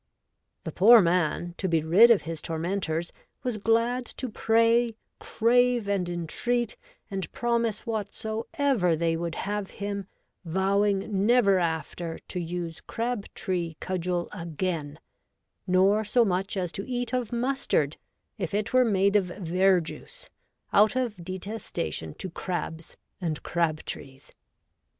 ' The poor man, to be rid of his tormentors, was glad to pray, crave, and entreat, and promise what soever they would have him, vowing never after to 122 REVOLTED WOMAN. use Crab tree Cudgel again, nor so much as to eat of Mustard, if it were made of Verjuice, out of detesta tion to Crabs and Crab trees.